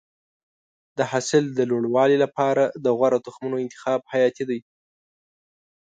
د حاصل د لوړوالي لپاره د غوره تخمونو انتخاب حیاتي دی.